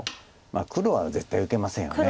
黒は絶対打てませんよね。